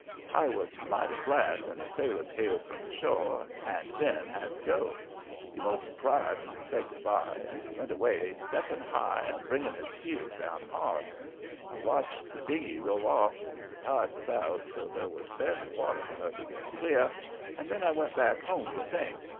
"I was mighty glad when the sailors hailed from the shore and Ben had to go. He 'most cried when he said good by, and went away stepping high and bringing his heels down hard. I watched the dingey row off the tide was out, so there was barely water for her to get clear and then I went back home to think.